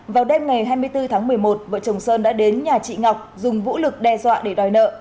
vào đêm ngày hai mươi bốn tháng một mươi một vợ chồng sơn đã đến nhà chị ngọc dùng vũ lực đe dọa để đòi nợ